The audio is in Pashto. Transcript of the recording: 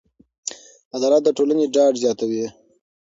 عدالت د ټولنې ډاډ زیاتوي.